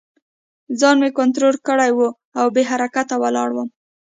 ځان مې کنترول کړی و او بې حرکته ولاړ وم